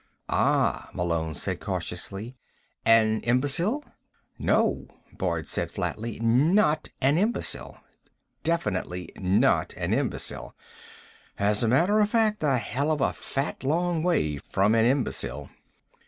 "Ah," Malone said cautiously. "An imbecile?" "No," Boyd said flatly. "Not an imbecile. Definitely not an imbecile. As a matter of fact, a hell of a fat long way from an imbecile."